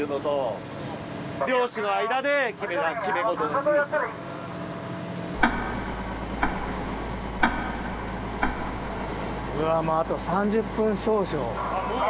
しかもうわもうあと３０分少々。